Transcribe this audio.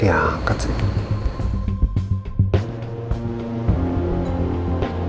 elsa ketemu di taman itu